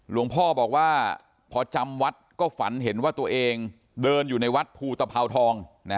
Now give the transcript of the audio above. หลวงพ่อบอกว่าพอจำวัดก็ฝันเห็นว่าตัวเองเดินอยู่ในวัดภูตภาวทอง